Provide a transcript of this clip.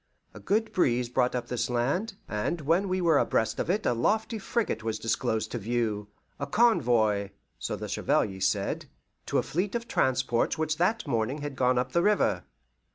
A good breeze brought up this land, and when we were abreast of it a lofty frigate was disclosed to view a convoy (so the Chevalier said) to a fleet of transports which that morning had gone up the river.